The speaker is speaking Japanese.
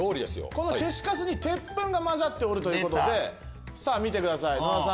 この消しカスに鉄粉が混ざっておるということでさぁ見てください野田さん